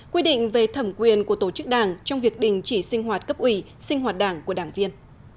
quy định về thẩm quyền của tổ chức đảng trong việc đình chỉ sinh hoạt cấp ủy sinh hoạt đảng của đảng viên